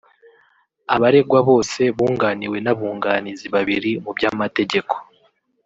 Abaregwa bose bunganiwe n’abunganizi babiri mu by’amategeko